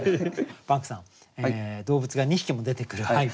パンクさん動物が２匹も出てくる俳句